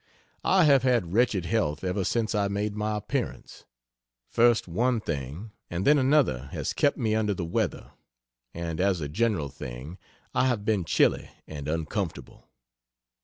I have had wretched health ever since I made my appearance. First one thing and then another has kept me under the weather, and as a general thing I have been chilly and uncomfortable.